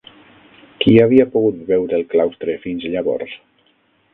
Qui havia pogut veure el claustre fins llavors?